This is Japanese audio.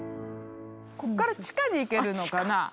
こっから地下に行けるのかな。